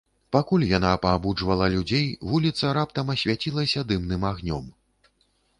Пакуль яна паабуджвала людзей, вуліца раптам асвяцілася дымным агнём.